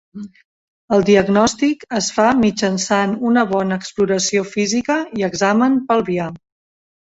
El diagnòstic es fa mitjançant una bona exploració física i examen pelvià.